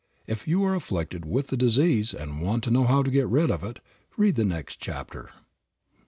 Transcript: If you are afflicted with the disease, and want to know how to get rid of it, read the next chapter.